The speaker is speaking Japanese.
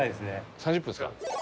３０分ですか。